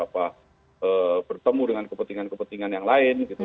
maka ketika itu ketemu dengan kepentingan kepentingan yang lain gitu